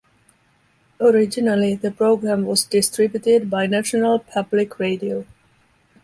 Originally, the program was distributed by National Public Radio.